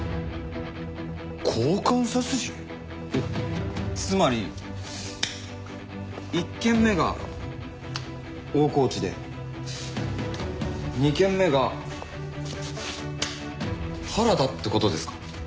交換殺人？えっつまり１件目が大河内で２件目が原田って事ですか？